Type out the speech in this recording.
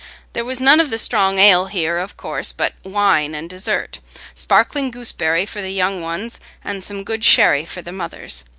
There was none of the strong ale here, of course, but wine and dessert—sparkling gooseberry for the young ones, and some good sherry for the mothers.